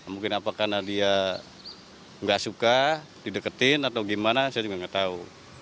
mungkin apa karena dia nggak suka dideketin atau gimana saya juga nggak tahu